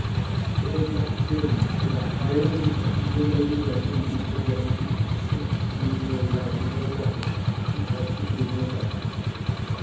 It had not been without great difficulty that Lady Grant induced her brother to assent to her writing the letter which has been given above.